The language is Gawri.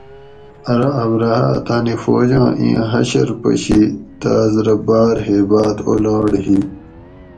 ارو ابرھاۤ تانی فوجاں ایں حشر پشی تاس رہ باۤر ھیباۤت اولاڑ ہی